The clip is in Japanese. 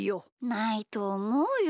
ないとおもうよ。